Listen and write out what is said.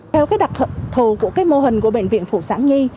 theo đặc thực thù của mô hình của bệnh viện phụ sản nhi